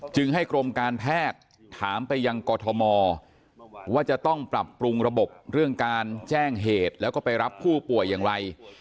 จึงให้กรมการแพทย์ถามไปยังกรทมว่าจะต้องปรับปรุงระบบเรื่องการแจ้งเหตุแล้วก็ไปรับผู้ป่วยอย่างไร